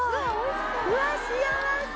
うわっ幸せ！